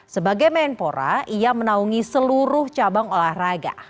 sebagai menpora ia menaungi seluruh cabang olahraga